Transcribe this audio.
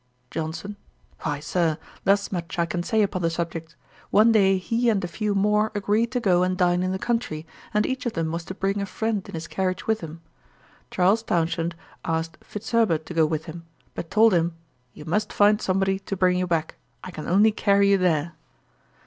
JOHNSON. 'Why, Sir, thus much I can say upon the subject. One day he and a few more agreed to go and dine in the country, and each of them was to bring a friend in his carriage with him. Charles Townshend asked Fitzherbert to go with him, but told him, 'You must find somebody to bring you back: I can only carry you there.'